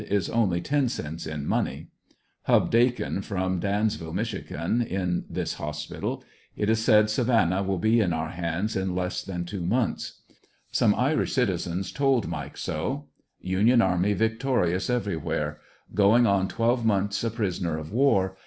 is only ten cents in money. Hub Dakin, from Dansville, Mich., is in this hospital. It is said Savannah will be in our hands in less 103 ANDERSON VILLE DIART. than two moDths. Some Irish citizens told Mike so. Union army victorious everywhere. Going on twelve months a prisoner of war.